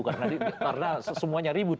karena semuanya ribut